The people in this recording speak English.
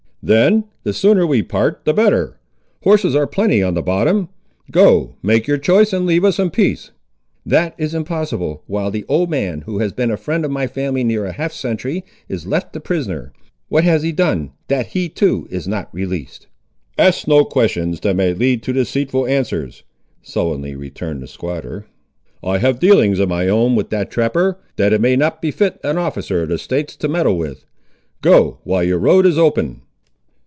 "Then the sooner we part the better. Horses are plenty on the bottom. Go; make your choice, and leave us in peace." "That is impossible, while the old man, who has been a friend of my family near half a century, is left a prisoner. What has he done, that he too is not released? "Ask no questions that may lead to deceitful answers," sullenly returned the squatter; "I have dealings of my own with that trapper, that it may not befit an officer of the States to meddle with. Go, while your road is open."